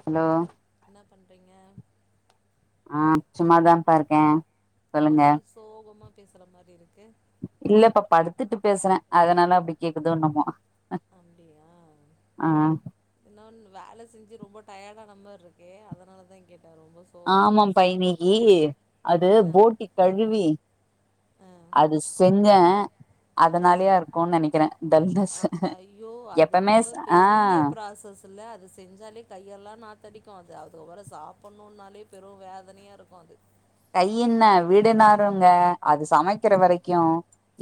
Hello என்ன பண்றீங்க ஆஹ் சும்மாதான்ப்பாருக்க என்ன சொல்லுங்க ஒரே சோகமா பேசுற மாரி இருக்கு இல்லப்பா படுத்துட்டு பேசற அதனால அப்டி கேக்குதோ எண்ணமோ அப்டியா ஆஹ் இன்னொன்னு வேல செஞ்சு ரொம்ப டயாடான மாரி இருக்கு அதனாலதா கேட்ட ஆமாம்பா இன்னைக்கி அது ஆ போட்டி கழுவி அது செஞ்ச அஹ் டல்னஸ் அஹ ஐயோ அது எப்பமே ரொம்போ ஆ பெரிய ப்ராசஸ் இல்ல அது செஞ்சாலே கையெல்லா நாத்தடிக்கு அது அது வேற சாப்புன்ணுனாலே பெரு வேதனையாருக்கு அது கையென்ன வீடே நாறுங்க அது சமைக்கிற வரைக்கு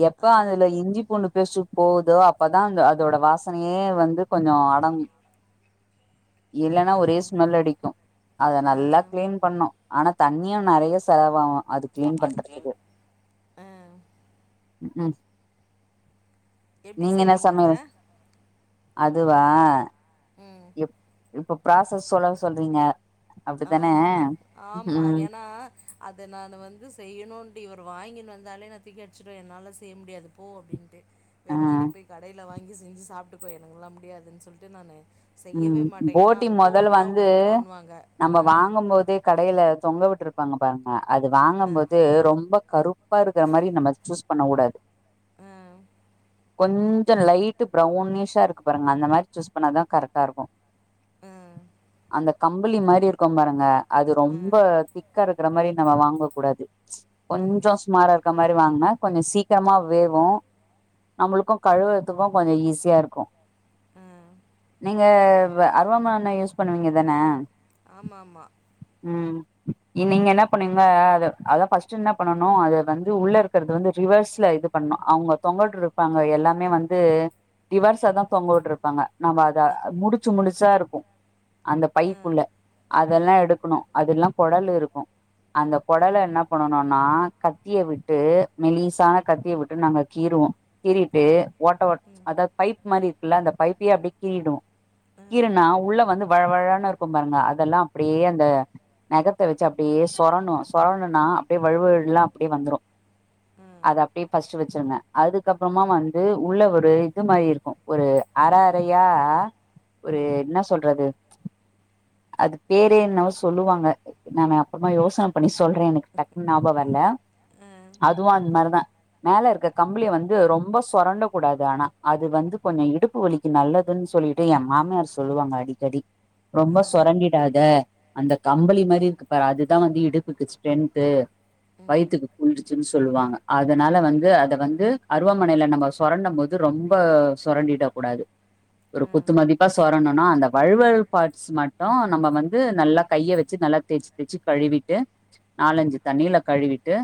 எப்ப ஆ அதுல இஞ்சி பூண்டு பேஸ்டு போதோ அப்பதா அத அதோட வாசனயே வந்து கொஞ்சௌ அடங்கு இல்லனா ஆ ஒரே ஸ்மெல் அடிக்கு அத ஆ நல்லா க்ளீன் பண்ணு ஆனா தண்ணியு நெறயா செலவாவு ஆஹ் உம் ம் எப்டி நீங்க என்ன செய்வீங்க அத சமையல் அதுவா ம் இப் இப்ப ப்ராசஸ் சொல்ல சொல்றீங்க அப்டித்தானே ஆமா ஆமா ம் ஏனா அத நானு வந்து செய்யணூன்ட்டு இவர் வாங்கி வந்தாலே நா தூக்கி அடிச்சிடுவ என்னால செய்ய முடியாது போ அப்படின்ட்டு ஆ வேண்ணா நீ போய் கடைல வாங்கி செஞ்சு சாப்பிட்டுக்கோ எனக்கெல்லா முடியாதுனு சொல்ட்டு நானு ம் செய்யவே மாட்டேங்க ஏனா போட்டி அது மொதல் தோல்லுலா வந்து உரிக்கணுன்னுவாங்க நம்ம வாங்கும் போதே கடைல தொங்க விட்டு இருப்பாங்க பாருங்க அது அ, வாங்கம்போது ரொம்ப கருப்பா இருக்குற மாரி நம்ம சூஸ் பண்ண கூடாது அ, கொஞ்சொ லைட்டு ப்ரௌனிஷா இருக்கு பாருங்க அந்த மாரி சூஸ் பண்ணாதா கரெக்ட் டா இருக்கு ஹ்ம் இந்த கம்புளி மாரி இருக்கும் பாருங்க அது அ, ரொம்ப திக்காருக் க்குற மாரி நம்ம வாங்க கூடாது கொஞ்சொ ம், சுமாரா இருக்க மாரி வாங்குனா கொஞ்சொ சீக்கிரமா வேவு நம்மளுக்கும் கழுவுறதுக்கு கொஞ்சொ ஈஸியா இருக்கு ஹ் நீங்க வ அருவாமண யூஸ் பண்ணுவீங்க தானே ஆமா ஆமா ம் இன் நீங்க என்ன பண்ணீங்க அத அத ஃபஸ்ட் என்ன பண்ணனு அத வந்து உள்ள இருக்கிறது வந்து ரிவர்ஸ்ல இது பண்ணனு அவங்க தொங்கொட்டுருப்பாங்க எல்லாமே வந்து ரிவர்ஸ்ஸதா தொங்கவுட்டுருப்பாங்க நம்ம தா முடிச்சு முடிச்சா இருக்கு அந்த அ, பைக்குள்ள அ, அதெல்லா எடுக்கணு அதெல்லா கொடல் க்கு அந்த அ, கொடல என்ன பண்ணணுனா கத்திய விட்டு மெலிசான கத்திய விட்டு நாங்க கீறுவோ கீறிட்டு அ, ஓட்ட ஓட் ம், அதா பைப் மாறி இருக்குல்ல அந்த பைப்பிய அப்டி கீறுடுவோ அ, அ, கீறுனா உள்ள வந்து வழவழனு இருக்கு பாருங்க அதெல்லா அப்டியே அந்த நெகத்த வச்சு அப்படியே சொரணும் சொரணுனா அப்படியே வழுவுகளா அப்படியே வந்துடு அது அப்டியே ஃபஸ் ச்சு வச்சிருங்க அதுக்கப்பறமா வந்து உள்ள ஒரு இது மாரி இருக்கு ஒரு அற றையா ஒரு ம், என்ன சொல்றது அது பேரெ என்னவோ சொல்லுவாங்க நான அப்பறமா யோசன பண்ணி சொல் சொல்றே எனக்கு டக்குன் நாபம் வர்ல அ, அ, ம், அதுவு அந் மாரிதா மேல இருக்க கம்பளிய வந்து ரொம்ப சொரண்ட கூடாது ஆனா அது வந்து கொஞ்ச இடுப்பு வலிக் கு நல்லதுன்னு சொல்லிட்டு எ மாமியார் சொல்லுவாங்க அடிக்கடி ரொம்ப அ, சொரண்டிடாத அந்த கம்பளி மாரி இருக்குப்பாரு அதுதா வந்து இடுப்புக்கு ஸ்ட்ரென்த்து ம், வயித்துக்கு குளிர்ச்சு தின் சொல்லுவாங்க அதனால வந்து அத வந்து அருவாமனையில நம்ம சொரண்டம்போது ரொம்ப சுரண்டிட கூடாது ஒரு குத்துமதிப்பா சொரணனு அந்த வழுவல் பார்ட்ஸ் மட்டு நம்ம வந்து நல்லா கைய வச்சு நல்லா தேய்ச்சு தேச்சு கழுவிட்டு நாலஞ்சு தண்ணியில கழுவிட்டு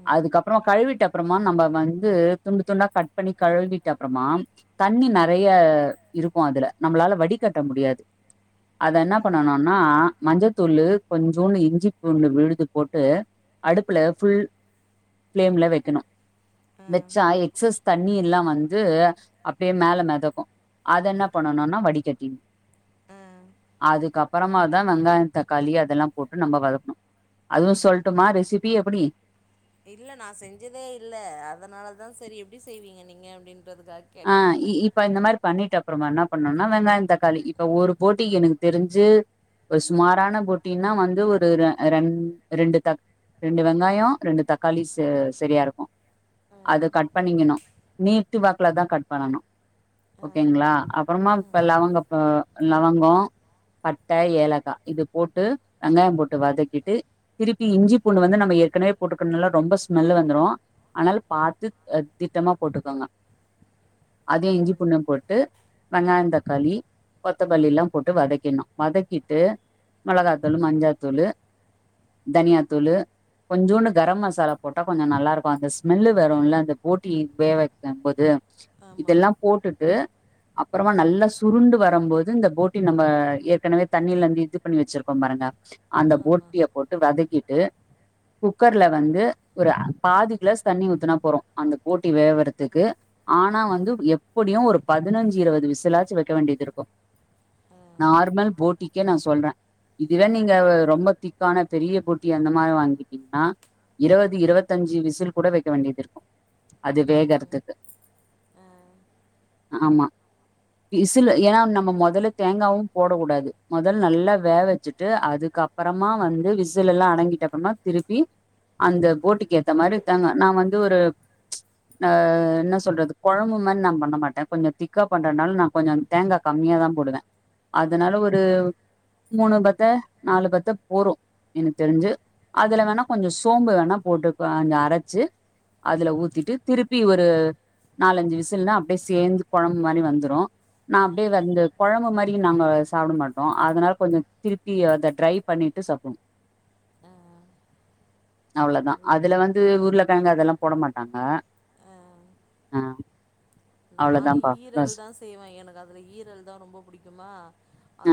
ம். அதுக்கப்பறமா கழுவிட்ட அப்பறமா நம்ப வந்து துண்டு துண்டா கட் பண்ணி கழுவிட்டப்பறமா தண்ணி ந ம் றைய இருக்கு அதுல நம்மளால வடிகட்ட முடியாது அத என்ன ம் பண்ணனுனா மஞ்சத்தூள் கொஞ்சூண்டு இஞ்சி பூண்டு விழுது போட்டு அடுப்புல ஃபுல் பளேம்ல வெக்கணு ம் வெச்சா எக்ஸஸ் தண்ணி எல்லா வந்து அப்டியே மேல மெதக் தக்கு அதென்ன பண்ணனுனா வடி கட்டினு ம் அதுக்கப்பறமாதா வெங்காயோ தக்காளி அதெல்லா போட்டு நம்ப வதக்கணு அதுவு சொல்ட்டுமா ரெசிபி எப்பிடி இல்ல நா செஞ்சதே இல்ல அதனாலதா சரி எப்டி செய்வீங்க நீங்க அப்டினு ஆஹ் இ இப்ப இந்த மாரி பண்ணிடப் பொறமா என்ன பண்ணனோ வெங்காயோ தக்காளி இப்ப ஒரு போட்டிக்கு எனக்கு தெரிஞ்சு ஒரு சுமாரான போட்டின்னா வந்து ஒரு ரெ ரெண் ரெண்டு தக் ரெண்டு வெங்காயோ ரெண்டு தக்காளி செ செரியா இருக்கு ஆ அத கட் பண்ணிங்கணு நீட்டு வாக் குல தா கட் பண்ணணு ஆ ஓகேங்களா அப்புறமா இப்ப லவங்கொ ப லவங்கோ பட்ட ஏலக்கா இது போட்டு வெங்காயோ போட்டு வதக்கிட்டு திருப்பி இஞ்சி பூண்டு வந்து நம்ம ஏற்கனவே போற்றுக்கனால ரொம்ப ஸ்மெல் வந்துரு அதனால பாத்து அ திட்டமா போட்டுக்கோங்க அதே ஆ இஞ்சி புண்ணு போட்டு வெங்காய தக்காளி கொத்தமல்லிலா போட்டு வதக்கிட்னு வதக்கிட்டு மெளகாத்தூளு மஞ்சத்தூளு தனியாத்தூளு கொஞ்சோன்னு கரம் மசாலா போட்டா கொஞ்சோ நல்லாருக்கு அந்த ஸ்மெல்லு வருல அந்த போட்டி வேவக்கம்போது ஆமா இதெல்லா போட்டுட்டு அப்பறமா நல்லா சுருண்டு வரம்போது இந்த போட்டி நம்ம ஏற்கனவே தண்ணிலந்து இது பண்ணி வச்சிருக்கோம் பாருங்க அந்த ஆமா போட்டிய போட்டு வதக்கிட் டு குக்கர்ல வந்து ஒரு அ பாதி கிளாஸ் தண்ணி ஊத்துனா போறு அந்த போட்டி வேவறதுக்கு ஆனா வந்து எப்படியு ஒரு பதினஞ்சு இருவது விசிலாச்சு வைக்க வேண்டியதிருக்கு ஆ நார்மல் போட்டிக்கே நா சொல்ற இதுவே ஆ நீங்க அஹ் ரொம்ப திக்கான பெரிய போட்டி அந்த மாரி வாங்கிட்டீங்கன்னா இருவது இருவத்தஞ்சு விசில் கூட வைக்க வேண்டியதிருக்கு அது ம் வேகறதுக்கு ஆ ஆமா ஓ விசில் ஏனா நம்ம மொதல்ல தேங்காவு போட கூடாது மொதல் நல்லா வேவச்சுட்டு அதுக்கப்பறமா வந்து விசிலெல்லா அடங்கிட்டப்பறமா திருப்பி அந்த போட்டிக்கு ஏத்த மாரி தேங்கா நா வந்து ஒரு ஆஹ் என்ன சொல்றது கொழம்பு மாரி நா பண்ண மாட்ட கொஞ்சோ திக்கா பண்றனால நா கொஞ்சோ தேங்கா கம்மியாதா போடுவ ஆ அதனால ஒரு மூனு பத்த நாலு பத்த போறு எனக்கு தெரிஞ்சு அதுல வேணா கொஞ்சோ சோம்பு வேணா போட்டு கொஞ்சோ அரைச்சு அதுல ஊத்திட்டு திருப்பி ஒரு நாலஞ்சு விசுல்னா அப்டியே சேந்து கொழம்பு மாரி வந்துரு நா ஆ அப்டியே வந்து கொழம்பு மாரி நாங்கோ சாப்பிட மாட்டோ அதனால கொஞ்சோ திருப்பி அத ட்ரை பண்ணிட்டு சாப்டோனு ஆ அவ்ளோதா அதுல வந்து உருளக்கெழங்கு அதெல்லா போட மாட்டாங்க ஆ ஆ நானு அவ்ளோதான்ப்பா ப்ராஸ் ஈரல்தா செய்வ எனக்கு அதுல ஈரல்தா ரொம்ப புடிக்குமா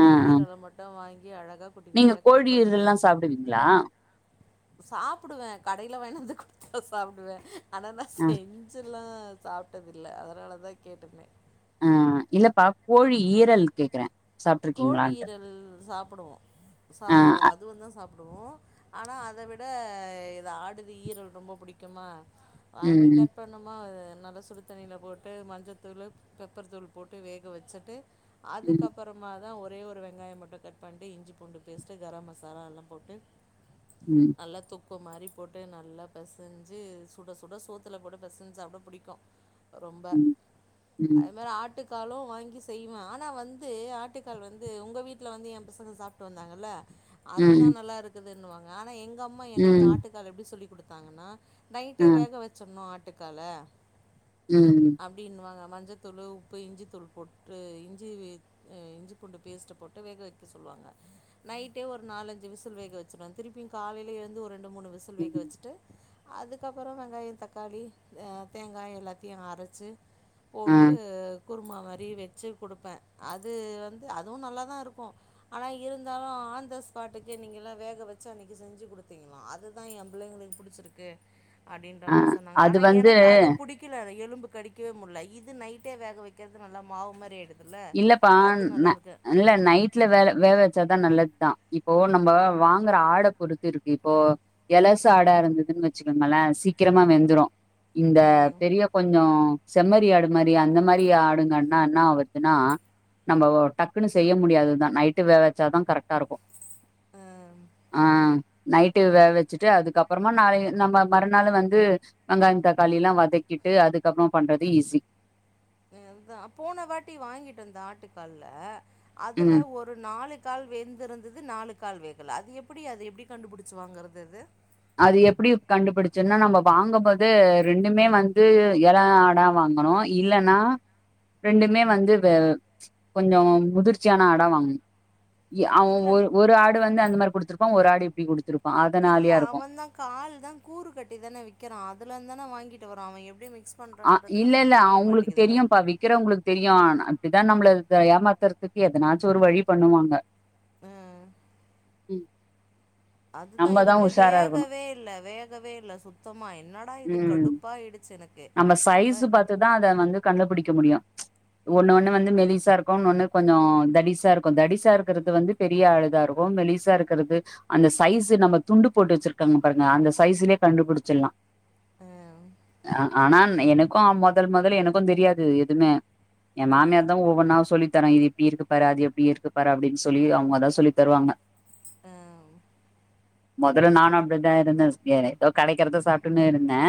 ஆ ஆ ஈரல மட்டு வாங்கி அழகா குட்டி நீங்க குட்டியா கட் கோழி ஈரல்லா சாப்டுவீங்களா சாப்டுவே கடைல வாங்கினு வந்து குடுத்தா சாப்புடுவே ஆனா நா ஆ செஞ்சு ல்லா சாப்ட்டதில்லா அதனாலதா கேட்டனே ஆ இல்லப்பா கோழி ஈரல் கேக்குறே கோழி சாப்ட்ருக்கீங்களான்ட்டு ஈரல் சாப்புடுவோ ஆ சாப்புடுவோ அ அதுவுந்தா சாப் டுவோ ஆனா அத விட இது ஆடுது ஈரல் ரொம்ப புடிக்குமா வாங்கி ம் கட் பண்ணமா அது நல்லா சுடு தண்ணில போட்டு மஞ்சத்துளு பெப்பர் தூள் போட்டு வேக வெச்சுட்டு ம் அதுக்கப்புற மா தா ஒரே ஒரு வெங்காயோ மட்டு கட் பண்ட்டு இஞ்ஜி பூண்டு பேஸ்ட்டு கரம் மசாலா எல்லா போட்டு ம் நல்லா தொக் கு மாரி போட்டு நல்லா பெசஞ்சி சுட சுட சோத்துல போட்டு பெசஞ்சி சாப்ட புடிக்கோ ரொம்ப ம் அதே ம் மாரி ஆட்டுக் காலோ வாங்கி செய்வே ஆனா வந்து து ஆட்டுக்கால் வந்து உங்க வீட்ல வந்து எம் பசங்க சாப்ட்டு வந்தாங்கல்ல அதுதா ம் நல்லா இருக்குது ன்ணுவாங்க ஆனா எ ங்கம்மா எனக்கு ம் ஆட்டுக்கால் எப்டி சொல்லி குடுத் தாங்கன்னா அ நைட்டே வேக வெச்சர்னு ஆ ட்டுக்கால ம் அப்டினுவாங்க மஞ்சத்தூளு உப்பு இஞ்சித்தூள் போட்டு இஞ்சி இஞ்சி பூண்டு பேஸ்ட் போட்டு வேக வக்க சொல்லுவாங்க நையிட்டே ஒரு நாலஞ்சு விசில் வேக வச்சுருவ திருப்பி காலைல எழுந்து ஒரு ரெண்டு மூனு விசில் வேக ம் வச்சுட்டு அதுக்கப்பறோ வெங்காயோ தக்காளி அ தேங்கா எல்லாத்தையு அரச்சு அ போட்டு குர்மா மாரி வெச்சு குடுப்பே அது வந்து அதுவு நல்லா தாருக்கு ஆனா இருந்தாலு ஆன் த ஸ்பாட்டுக்கு நீங்கல்லா வேக வச்சு அன்னைக்கு செஞ்சு கொடுத்தீங்களா அதுதா எ பிள்ளங்களுக்கு பிடிச்சிருக்கு அப்டின்ற அ மாரி சொன்னாங்க அது ஆனா வந்து எனக்கு அது புடிக்கல எலும் கடிக்கவே முடில இது நைட்டே வேக வக்கிறது நல்லா மாவு மாரி ஆயிடுதுல இல்லப்பா ந இல்ல நைட்ல வேல வேக வச்சதா நல்லதுதா இப்போ நம்ம வாங்குற ஆட பொறுத்து இருக்கு இப்போ எழசு ஆடா இருந்ததுன்னு வச்சுக்கோங்களன் சீக்கிரமா வெந்துரு இந்த அஹ் பெரிய கொஞ்சோ செம்மறி ஆடு மாரி அந்த மாரி ஆடுங்கன்னா ஏன்னா அவர் அனா நம்ம டக்குன்னு செய்ய முடியாதுதா நைட்டு வேக வச்சாதா கரெக்டாருக்கு அஹ் ஆ நைட்டு வேக வச்சுட்டு அதுக்கப்பறமா நாளை நம்ம மறுநாளு வந்து வெங்காயம் தக்காளில்லா வதக்கிட்டு அதுக்கப்பறோ பண்றது ஈஸி ம் அதா போன வாட்டி வாங்கிட்டு வந்த ஆட்டுக்கால்ல அதுல ம் ஒரு நாலு கால் வெந்திருந்தது நாலு கால் வேகல அது எப்டி அது எப்டி கண்டுபிடிச்சு வாங்கறது அது அது எப்டி கண்டுபிடிச்சுன்னா நம்ம வாங்கும்போது ரெண்டுமே வந்து எல ஆடா வாங்கணு இல்லன்னா ரெண்டுமே வந்து கொஞ்சோ முதிர்ச்சியான ஆடா வாங்கணு எ அவன் இல்ல ஒரு ஆடு வந்து அந்த மாரி குடுத்திருப்பான் ஒரு ஆடு எப்டி குடுத்துரு இல்ல அதனாலயாருக்கு அவன் தான் கால் தா கூறு கட்டி தானே விக்கிறான் அதுலந்து தானே வாங்கிட்டு வறோ அவன் எப்டி வி அ இல்ல இல்ல அவுங்களுக்கு தெரியு பா விக்கிறங்களுக்கு தெரியும் அ தா நம்மள ஏமாத்துறதுக்கு எதனாச்சு ஒரு வழி பண்ணுவாங்க ம் ம் அதுதா எனக்கு வேகவே இல்ல வேகவே இல்ல சுத்தமா என்னடா இது ம் கடுப்பாயிடுச்சு எனக் நம்ம சைசு பாத்துதா அத வந்து கண்டுபிடிக்க முடியு ஒண்ணு ஒண்ணு வந்து மெலிசா இருக்கும் ஒன்னொ ஒண்ணு கொஞ்சம் தடிசா இருக்கும் தடிசா இருக்கிறது வந்து பெரிய ஆடுதா இருக்கும் மெலிசா இருக்கிறது அந்த சைஸ் நம்ம துண்டு போட்டு வச்சிருக்காங்க பாருங்க அந்த சைஸ்லயே கண்டுபிடிச்சிடலா ஆ அ ஆனா எனக்கும் எமிதல் மொதல் எனக்கும் தெரியாது எதுவுமே என் ம், மாமியார்தா ஒவ்வொன்னா சொல்லி த்தாங்க இது இப்டி இருக்கு பாரு அது எப்டி இருக்கு பாரு அப்டின்னு சொல்லி அவங்கதா சொல்லி தருவாங்க ம், மொதல்ல நானும் அப்டிதா இருந்தே ஏ ஏதோ கெடைக்கிறத சாப்பிட்டுன்னு இருந்தே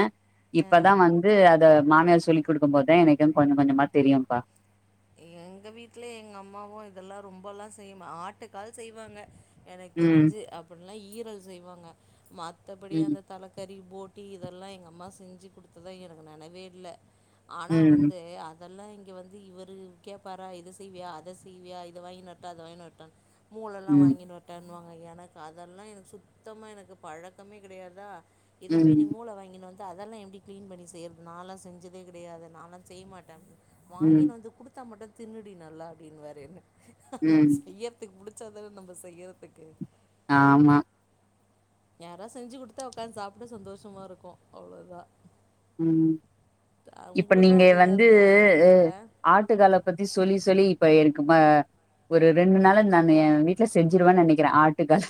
இப்பதா ம். வந்து அத மாமியார் சொல்லி குடுக்கும் போதுதா எனக்கும் கொஞ்சம் கொஞ்சமா தெரியும்பா எங்க வீடல எங்க அம்மாவும் இதெல்லா ரொம்பல்லா செய் ஆட்டுக்கால் செய்வாங்க எனக்கு ம் தெரிஞ்சு அப்படின்ல்லா ஈ ரல் செய்வாங்க மத்த படி ம் அந்த தலா கறி டீ இதெல்லா எங்கள் அம்மா செஞ்சு குடுத்துதா எனக்கு நெனைவே இல்ல ஆனா ம் வந்து அ தெல்லா இங்க வந்து இவர் து கேப்பாரா இத செய்வியா அத செய்வியா இத வாங்கினு வர்ட்டா அத வாங்கினு வர்ட்டா மூலெல்லா ம், வாங்கினு வர்ட்டான் னுவாங்க எனக்கு அதெல்லா எனக்கு சுத்தமாக எனக்கு பழக்கமே கிடையாதா இத போய் நீ ம், மூள வாங்கினு வ ந்து அதெல்லா எப்டி கிளீன் பண்ணி செய்யிறது நால்லா செஞ்சதே கெடையாது நால்லா செய்ய மாட்டே வாங்கினு ம், வந்து குடுத்தா மட்டு தின்னுடி நல்லா அப்படின்னுவாரு என்ன அந்த ம். செய்யறதுக்கு புடுச் சாதான நம்ம செய்யறதுக்கு ஆமா யாரா செஞ்சு குடுத்தா உக்காந்து சாப்பிட சந்தோஷமா இருக்கு அவ்ளோ தா உம் இப்ப உங்களுக்கும் நீங்க அப்படி தான் வந்து இருக்கும்ல உ வீட்டில் ஆட்டுகால பத்தி சொல்லி சொல்லி இப்ப எனக்கு ம ஒரு ரெண்டு நாள் நானு என் வீட்டுல செஞ்சிருவேன் நெனைக்கிறே ஆட்டுகால்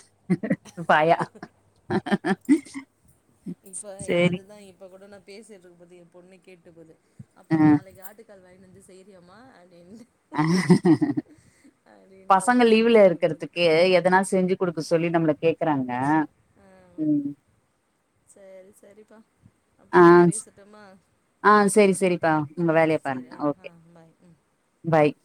பாயா ம் இப்ப அதுதா இப்ப கூட நா பேசிட்டு இருக்கு போது என் பொண்ணு கேட்டு போது அப்போ அ நாளைக்கு ஆட்டுக்கால் வ ந்து செய்யிரியம்மா அப்படின்ற பசங்க மாரி லீவுல கேட்டுட்டு போது இருக்கறத்துக்கு எதனா செஞ்சு குடுக்க சொல்லி நம்மள கே க்கறாங்க ஆ ம் சேரி சேரிப்பா ஆ, அப்புறமா பேசிட்டோமா ஆ சரி சரிப்பா உங்க ஆஹ் வேலைய சரி பாருங்க. அஹ் ஓகே. ஆஹ் பாய் உம் பாய்